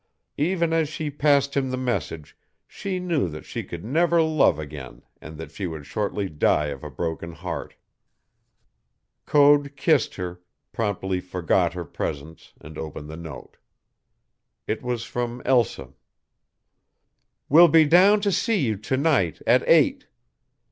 Even as she passed him the message she knew that she could never love again and that she would shortly die of a broken heart. Code kissed her, promptly forgot her presence, and opened the note. It was from Elsa. "Will be down to see you to night at eight.